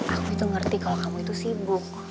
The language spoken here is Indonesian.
aku itu ngerti kalau kamu itu sibuk